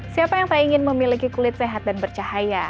siapa yang tak ingin memiliki kulit sehat dan bercahaya